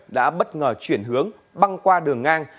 đã bất ngờ chuyển hướng băng qua đường ngang